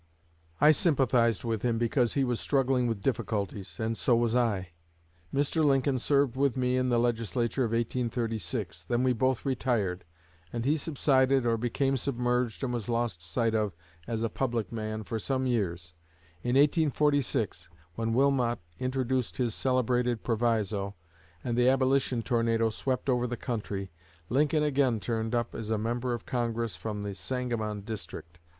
I sympathized with him because he was struggling with difficulties, and so was I. Mr. Lincoln served with me in the Legislature of 1836; then we both retired, and he subsided, or became submerged, and was lost sight of as a public man for some years. In 1846, when Wilmot introduced his celebrated proviso, and the Abolition tornado swept over the country, Lincoln again turned up as a Member of Congress from the Sangamon district.